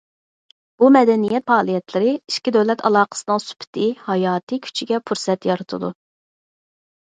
بۇ مەدەنىيەت پائالىيەتلىرى ئىككى دۆلەت ئالاقىسىنىڭ سۈپىتى، ھاياتى كۈچىگە پۇرسەت يارىتىدۇ.